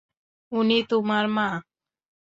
উনি তোমার মা!